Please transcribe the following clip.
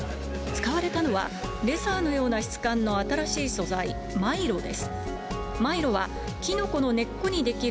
使われたのは、レザーのような質感の新しい素材、マイロです。